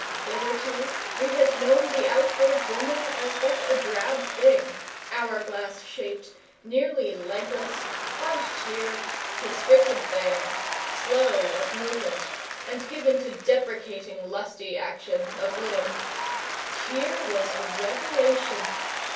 Hitherto we had known the outward woman as but a drab thing, hour glass shaped, nearly legless, bunched here, constricted there; slow of movement, and given to deprecating lusty action of limb. Here was a revelation!